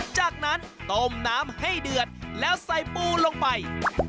จากนั้นต้มน้ำให้เดือดแล้วใส่ปูลงไป